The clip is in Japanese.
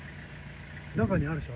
中にあるでしょ？